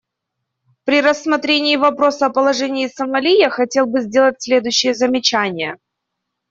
При рассмотрении вопроса о положении в Сомали я хотел бы сделать следующие замечания.